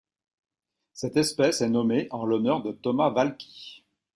Cette espèce est nommée en l'honneur de Thomas Valqui.